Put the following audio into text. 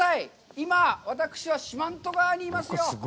今、私は四万十川にいますよ！